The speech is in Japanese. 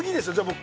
僕